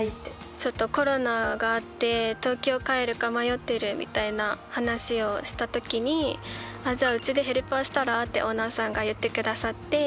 ちょっとコロナがあって東京帰るか迷ってるみたいな話をした時に「じゃあうちでヘルパーしたら？」ってオーナーさんが言ってくださって。